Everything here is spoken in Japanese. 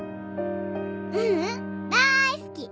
ううん大好き！